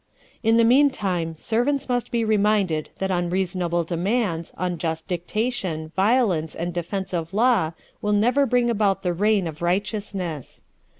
In the meantime servants must be reminded that unreasonable demands, unjust dictation, violence, and defiance of law will never bring about the reign of righteousness.